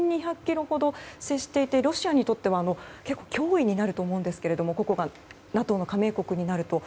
１２００ｋｍほど接していてロシアにとっては結構、脅威になると思うんですがＮＡＴＯの加盟国になると。